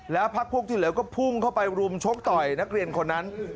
แล้วพักพวกที่เหลือก็พุ่งเข้าไปรุมชกต่อยนักเรียนคนนั้น